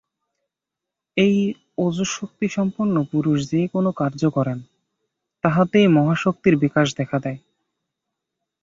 এই ওজঃশক্তিসম্পন্ন পুরুষ যে-কোন কার্য করেন, তাহাতেই মহাশক্তির বিকাশ দেখা যায়।